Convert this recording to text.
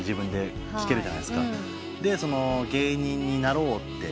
で芸人になろうって。